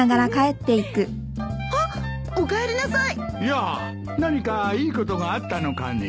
やあ何かいいことがあったのかね？